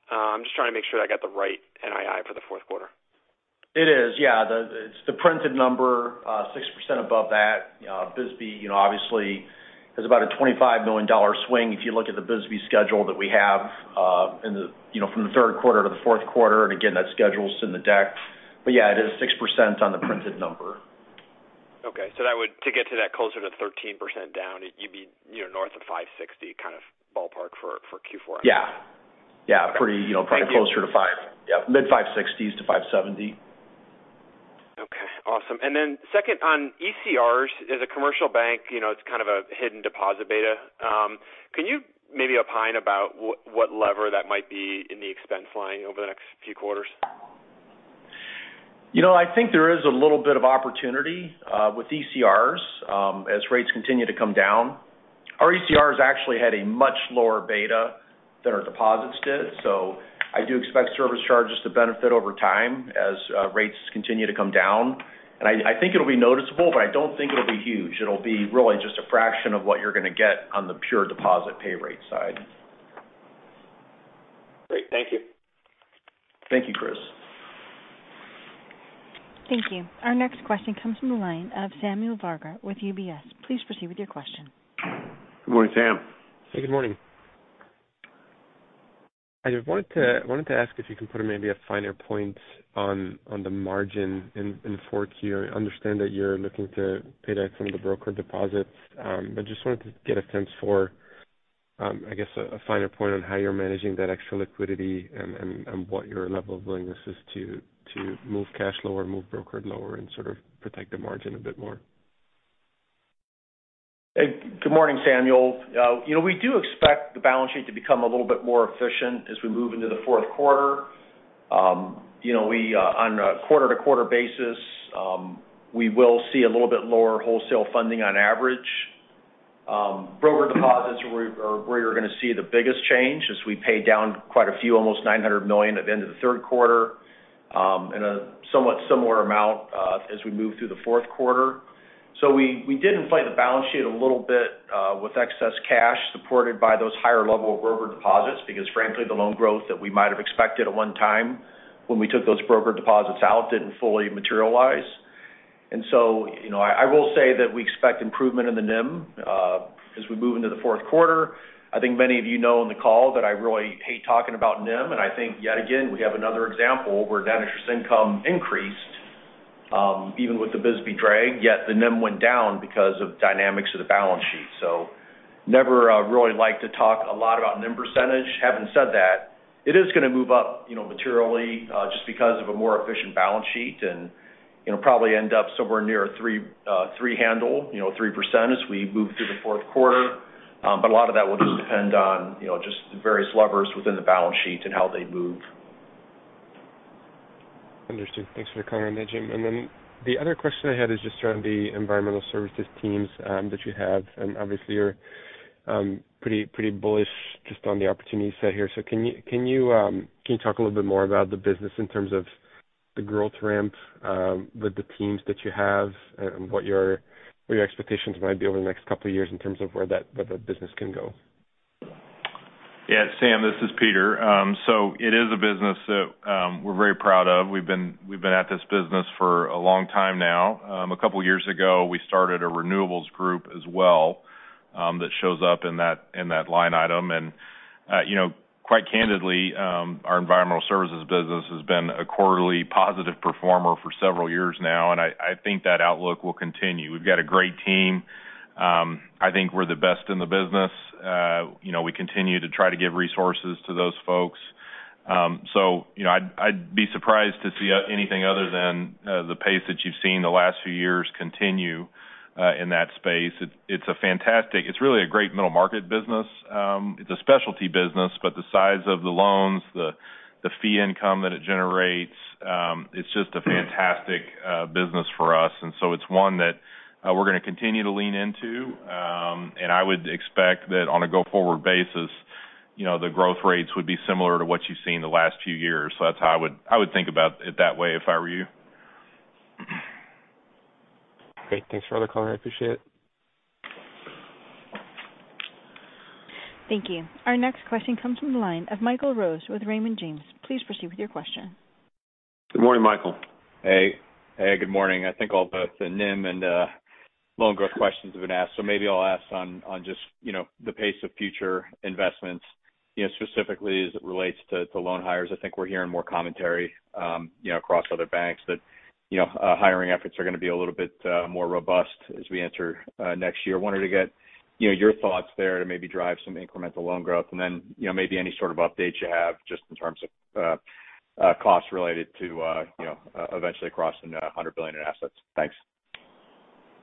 I'm just trying to make sure I got the right NII for the fourth quarter. It is, yeah. It's the printed number, 6% above that. BSBY, you know, obviously, is about a $25 million swing, if you look at the BSBY schedule that we have in the, you know, from the third quarter to the fourth quarter. And again, that schedule's in the deck. But yeah, it is 6% on the printed number. Okay. So that would to get to that closer to 13% down, you'd be, you know, north of $560 kind of ballpark for Q4? Yeah. Yeah, pretty, you know- Thank you. Probably closer to five. Yeah, mid-five sixties to five seventy. Okay, awesome. And then second, on ECRs, as a commercial bank, you know, it's kind of a hidden deposit beta. Can you maybe opine about what lever that might be in the expense line over the next few quarters? You know, I think there is a little bit of opportunity with ECRs as rates continue to come down. Our ECRs actually had a much lower beta than our deposits did, so I do expect service charges to benefit over time as rates continue to come down. And I think it'll be noticeable, but I don't think it'll be huge. It'll be really just a fraction of what you're gonna get on the pure deposit pay rate side. Great. Thank you. Thank you, Chris. Thank you. Our next question comes from the line of Samuel Varga with UBS. Please proceed with your question. Good morning, Sam. Hey, good morning. I just wanted to ask if you can put maybe a finer point on the margin in the fourth quarter. I understand that you're looking to pay down some of the brokered deposits, but just wanted to get a sense for, I guess, a finer point on how you're managing that extra liquidity and what your level of willingness is to move cash lower, move brokered lower, and sort of protect the margin a bit more. Hey, good morning, Samuel. You know, we do expect the balance sheet to become a little bit more efficient as we move into the fourth quarter. You know, we on a quarter-to-quarter basis, we will see a little bit lower wholesale funding on average. Brokered deposits are where you're gonna see the biggest change, as we pay down quite a few, almost $900 million at the end of the third quarter, and a somewhat similar amount as we move through the fourth quarter. So we, we did inflate the balance sheet a little bit with excess cash, supported by those higher level of brokered deposits, because frankly, the loan growth that we might have expected at one time when we took those brokered deposits out, didn't fully materialize. And so, you know, I will say that we expect improvement in the NIM as we move into the fourth quarter. I think many of you know, on the call that I really hate talking about NIM, and I think, yet again, we have another example where net interest income increased, even with the BSBY drag, yet the NIM went down because of dynamics of the balance sheet. So never really like to talk a lot about NIM percentage. Having said that, it is gonna move up, you know, materially, just because of a more efficient balance sheet and, you know, probably end up somewhere near a three handle, you know, 3% as we move through the fourth quarter. But a lot of that will just depend on, you know, just the various levers within the balance sheet and how they move. Understood. Thanks for commenting on that, Jim. And then the other question I had is just around the Environmental Services teams that you have, and obviously, you're pretty, pretty bullish just on the opportunity set here. So can you talk a little bit more about the business in terms of the growth ramp with the teams that you have and what your expectations might be over the next couple of years in terms of where the business can go? Yeah, Sam, this is Peter. So it is a business that, we're very proud of. We've been at this business for a long time now. A couple of years ago, we started a renewables group as well, that shows up in that, in that line item. And, you know, quite candidly, our Environmental Services business has been a quarterly positive performer for several years now, and I think that outlook will continue. We've got a great team. I think we're the best in the business. You know, we continue to try to give resources to those folks. So, you know, I'd be surprised to see anything other than, the pace that you've seen the last few years continue, in that space. It's a fantastic, it's really a great Middle Market business. It's a specialty business, but the size of the loans, the fee income that it generates. It's just a fantastic business for us, and so it's one that we're gonna continue to lean into. I would expect that on a go-forward basis, you know, the growth rates would be similar to what you've seen in the last few years. That's how I would think about it that way if I were you. Great. Thanks for all the color. I appreciate it. Thank you. Our next question comes from the line of Michael Rose with Raymond James. Please proceed with your question. Good morning, Michael. Hey, hey, good morning. I think all the NIM and loan growth questions have been asked, so maybe I'll ask on just you know the pace of future investments you know specifically as it relates to loan hires. I think we're hearing more commentary you know across other banks that you know hiring efforts are going to be a little bit more robust as we enter next year. Wanted to get you know your thoughts there to maybe drive some incremental loan growth, and then you know maybe any sort of updates you have just in terms of costs related to you know eventually crossing $100 billion in assets. Thanks.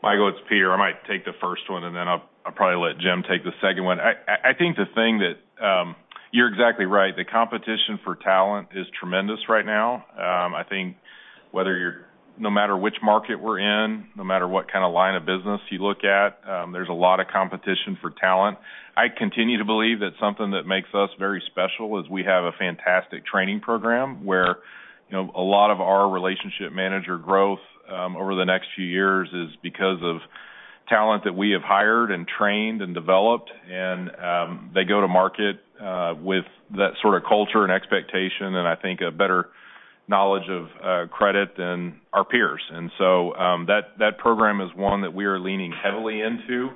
Michael, it's Peter. I might take the first one, and then I'll probably let Jim take the second one. I think the thing that you're exactly right. The competition for talent is tremendous right now. I think no matter which market we're in, no matter what kind of line of business you look at, there's a lot of competition for talent. I continue to believe that something that makes us very special is we have a fantastic training program, where you know a lot of our relationship manager growth over the next few years is because of talent that we have hired and trained and developed, and they go to market with that sort of culture and expectation, and I think a better knowledge of credit than our peers. And so, that program is one that we are leaning heavily into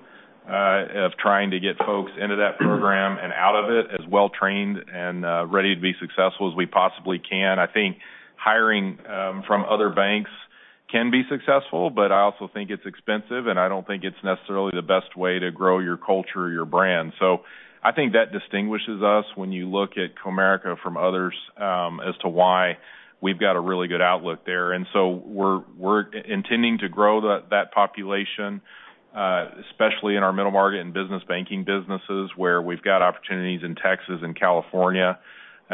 of trying to get folks into that program and out of it as well trained and ready to be successful as we possibly can. I think hiring from other banks can be successful, but I also think it's expensive, and I don't think it's necessarily the best way to grow your culture or your brand. So I think that distinguishes us when you look at Comerica from others as to why we've got a really good outlook there. And so we're intending to grow that population especially in our Middle Market and Business Banking businesses, where we've got opportunities in Texas and California.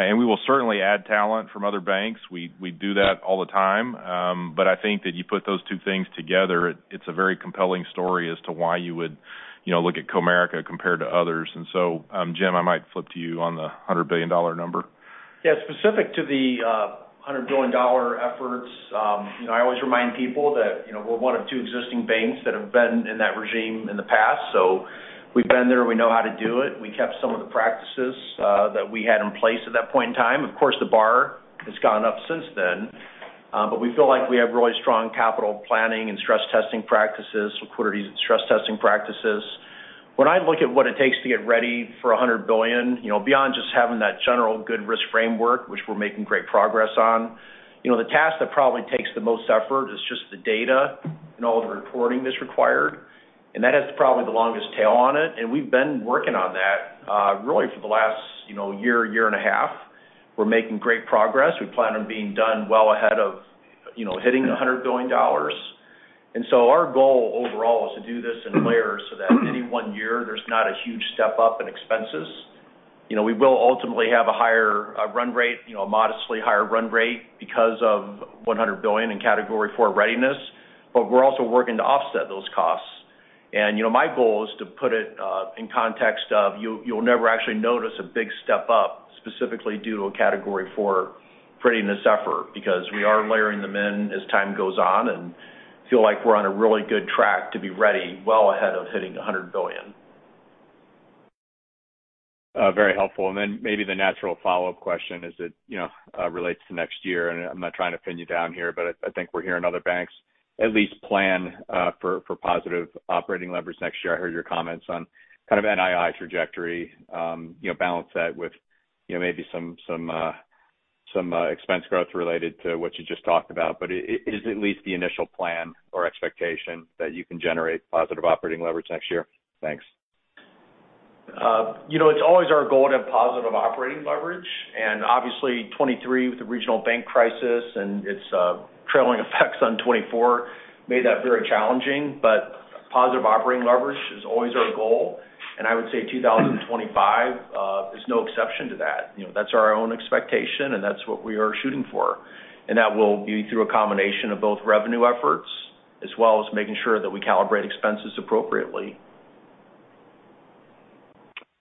And we will certainly add talent from other banks. We do that all the time. But I think that you put those two things together, it's a very compelling story as to why you would, you know, look at Comerica compared to others. And so, Jim, I might flip to you on the $100 billion number. Yeah, specific to the $100 billion efforts, you know, I always remind people that, you know, we're one of two existing banks that have been in that regime in the past, so we've been there, we know how to do it. We kept some of the practices that we had in place at that point in time. Of course, the bar has gone up since then, but we feel like we have really strong capital planning and stress testing practices, liquidity stress testing practices. When I look at what it takes to get ready for $100 billion, you know, beyond just having that general good risk framework, which we're making great progress on, you know, the task that probably takes the most effort is just the data and all the reporting that's required, and that has probably the longest tail on it. And we've been working on that, really for the last, you know, year, year and a half. We're making great progress. We plan on being done well ahead of, you know, hitting $100 billion. And so our goal overall is to do this in layers so that any one year, there's not a huge step up in expenses. You know, we will ultimately have a higher run rate, you know, a modestly higher run rate because of $100 billion in Category 4 readiness, but we're also working to offset those costs. You know, my goal is to put it in context of you'll, you'll never actually notice a big step up, specifically due to a Category 4 readiness effort, because we are layering them in as time goes on and feel like we're on a really good track to be ready well ahead of hitting $100 billion. Very helpful. And then maybe the natural follow-up question is that, you know, relates to next year, and I'm not trying to pin you down here, but I think we're hearing other banks at least plan for positive operating leverage next year. I heard your comments on kind of NII trajectory, you know, balance that with, you know, maybe some expense growth related to what you just talked about. But is it at least the initial plan or expectation that you can generate positive operating leverage next year? Thanks. You know, it's always our goal to have positive operating leverage, and obviously, 2023, with the regional bank crisis and its trailing effects on 2024, made that very challenging. But positive operating leverage is always our goal, and I would say 2025 is no exception to that. You know, that's our own expectation, and that's what we are shooting for. And that will be through a combination of both revenue efforts, as well as making sure that we calibrate expenses appropriately.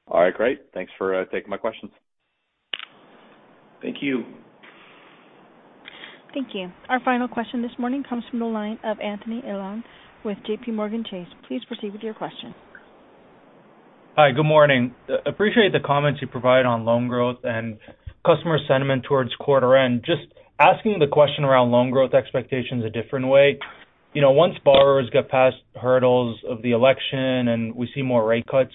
All right, great. Thanks for taking my questions. Thank you. Thank you. Our final question this morning comes from the line of Anthony Elian with JPMorgan Chase. Please proceed with your question. Hi, good morning. Appreciate the comments you provided on loan growth and customer sentiment towards quarter end. Just asking the question around loan growth expectations a different way, you know, once borrowers get past hurdles of the election and we see more rate cuts,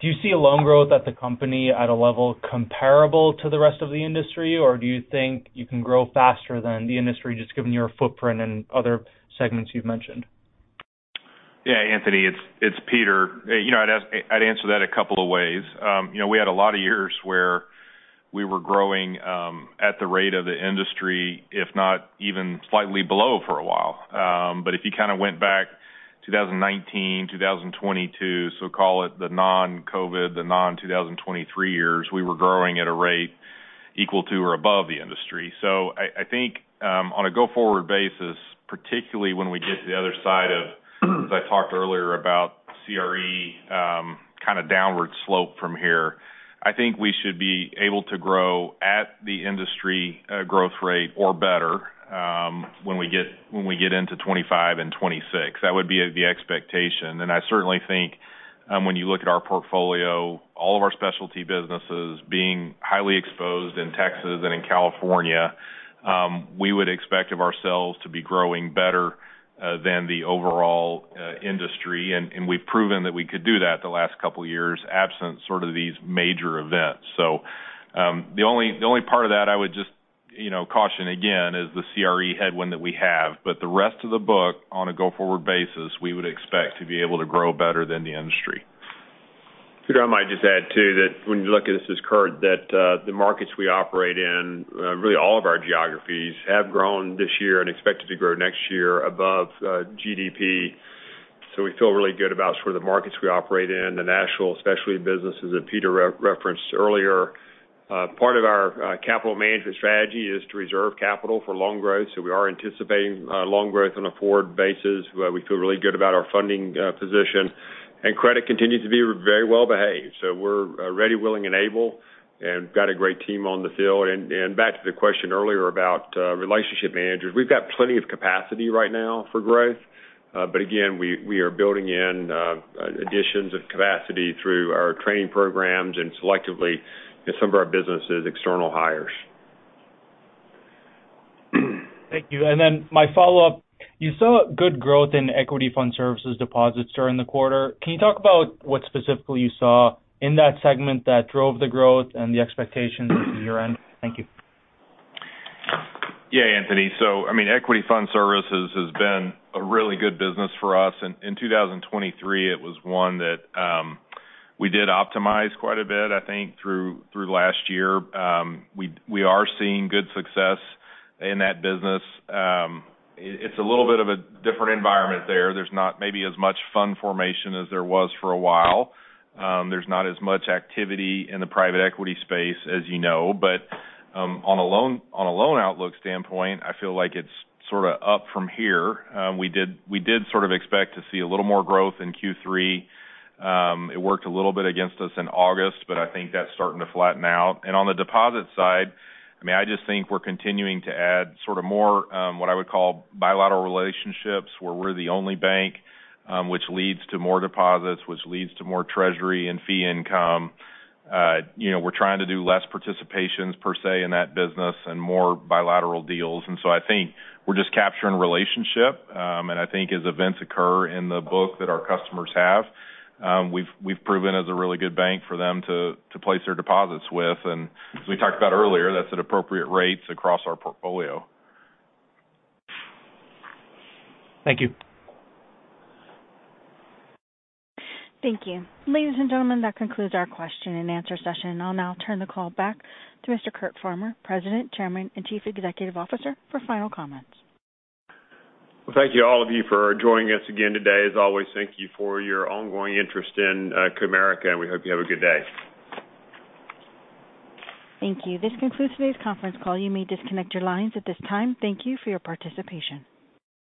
do you see a loan growth at the company at a level comparable to the rest of the industry? Or do you think you can grow faster than the industry, just given your footprint and other segments you've mentioned? Yeah, Anthony, it's Peter. You know, I'd answer that a couple of ways. You know, we had a lot of years where we were growing at the rate of the industry, if not even slightly below for a while. But if you kind of went back 2019, 2022, so call it the non-COVID, the non-2023 years, we were growing at a rate equal to or above the industry. So I think on a go-forward basis, particularly when we get to the other side of, as I talked earlier about CRE, kind of downward slope from here. I think we should be able to grow at the industry growth rate or better when we get into 2025 and 2026. That would be the expectation. I certainly think, when you look at our portfolio, all of our specialty businesses being highly exposed in Texas and in California, we would expect of ourselves to be growing better than the overall industry. We've proven that we could do that the last couple of years, absent sort of these major events. The only part of that I would just, you know, caution again, is the CRE headwind that we have. The rest of the book, on a go-forward basis, we would expect to be able to grow better than the industry. Peter, I might just add, too, that when you look at this as Curt, that the markets we operate in really all of our geographies have grown this year and expected to grow next year above GDP. So we feel really good about sort of the markets we operate in, the national specialty businesses that Peter referenced earlier. Part of our capital management strategy is to reserve capital for loan growth, so we are anticipating loan growth on a forward basis, where we feel really good about our funding position. And credit continues to be very well behaved. So we're ready, willing, and able, and got a great team on the field. And back to the question earlier about relationship managers. We've got plenty of capacity right now for growth, but again, we are building in additions of capacity through our training programs and selectively, in some of our businesses, external hires. Thank you. And then my follow-up, you saw good growth in Equity Fund Services deposits during the quarter. Can you talk about what specifically you saw in that segment that drove the growth and the expectations on your end? Thank you. Yeah, Anthony. So I mean, Equity Fund Services has been a really good business for us. In 2023, it was one that we did optimize quite a bit, I think, through last year. We are seeing good success in that business. It's a little bit of a different environment there. There's not maybe as much fund formation as there was for a while. There's not as much activity in the private equity space, as you know. But on a loan outlook standpoint, I feel like it's sort of up from here. We did sort of expect to see a little more growth in Q3. It worked a little bit against us in August, but I think that's starting to flatten out. And on the deposit side, I mean, I just think we're continuing to add sort of more, what I would call bilateral relationships, where we're the only bank, which leads to more deposits, which leads to more treasury and fee income. You know, we're trying to do less participations per se in that business and more bilateral deals. And so I think we're just capturing relationship. And I think as events occur in the book that our customers have, we've proven as a really good bank for them to place their deposits with. And as we talked about earlier, that's at appropriate rates across our portfolio. Thank you. Thank you. Ladies and gentlemen, that concludes our question-and-answer session. I'll now turn the call back to Mr. Curt Farmer, President, Chairman, and Chief Executive Officer, for final comments. Thank you, all of you, for joining us again today. As always, thank you for your ongoing interest in Comerica, and we hope you have a good day. Thank you. This concludes today's conference call. You may disconnect your lines at this time. Thank you for your participation.